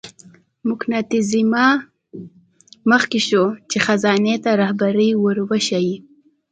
موکتیزوما مخکې شو چې خزانې ته رهبري ور وښیي.